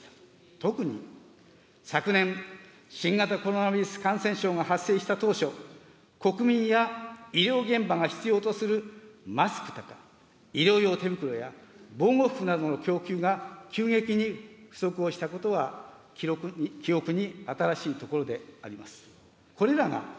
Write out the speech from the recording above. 特に昨年、新型コロナウイルス感染症が発生した当初、国民や医療現場が必要とするマスクとか、医療用手袋や防護服などの供給が急激に不足をしたことは、記憶に新しいところであります。